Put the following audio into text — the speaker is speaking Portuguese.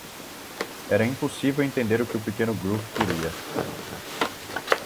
Era impossível entender o que o pequeno Gruff queria.